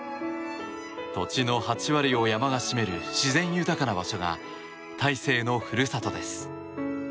土地の８割を山が占める自然豊かな場所が大勢の故郷です。